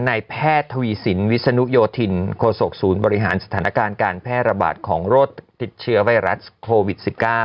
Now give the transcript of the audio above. นายแพทย์ทวีสินวิศนุโยธินโคศกศูนย์บริหารสถานการณ์การแพร่ระบาดของโรคติดเชื้อไวรัสโควิด๑๙